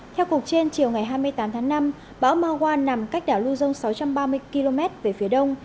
theo cuộc trên chiều ngày hai mươi tám tháng năm bão magua nằm cách đảo luzon sáu trăm ba mươi km về phía đông